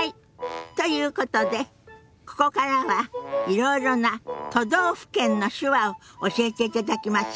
ということでここからはいろいろな都道府県の手話を教えていただきましょ。